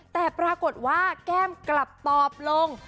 แต่ปรากฏว่าแก้มกลับตอบลง